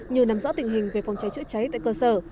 như nằm rõ tình hình về phòng cháy chữa cháy tại cơ sở